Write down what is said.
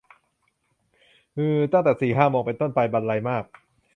อือ ตั้งแต่สี่ห้าโมงเป็นต้นไป บรรลัยมาก